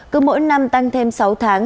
cứ mỗi năm tăng thêm sáu tháng